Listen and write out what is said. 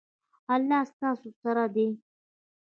الله ستاسو سره دی